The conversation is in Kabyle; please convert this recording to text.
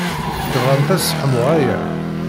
Tebɣamt ad sseḥmuɣ aya?